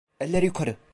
Eller yukarı.